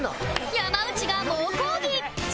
山内が猛抗議！